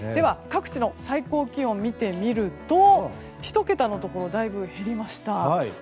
各地の最高気温を見てみると１桁のところがだいぶ減りました。